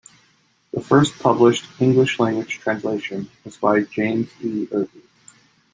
The first published English-language translation was by James E. Irby.